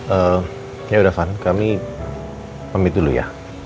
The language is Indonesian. ehm yaudah van kami pamit dulu ya